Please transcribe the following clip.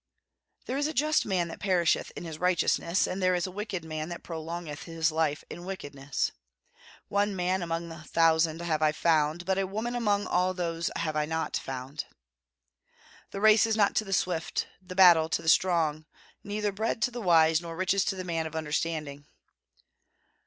There is a just man that perisheth in his righteousness, and there is a wicked man that prolongeth his life in wickedness.... One man among a thousand have I found, but a woman among all those have I not found.... The race is not to the swift, the battle to the strong; neither bread to the wise, nor riches to the man of understanding....